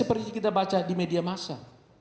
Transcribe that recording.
seperti kita baca di media masa